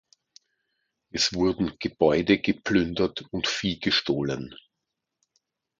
Es wurden Gebäude geplündert und Vieh gestohlen.